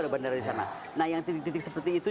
bandara di sana nah yang titik titik seperti itu